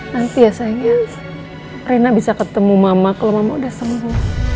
nanti ya sayangnya rina bisa ketemu mama kalau mau udah semua